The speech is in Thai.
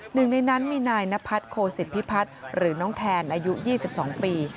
หนึ่งในนั้นมีนายนพัฒน์โคสิตพิพัฒน์หรือน้องแทนอายุ๒๒ปี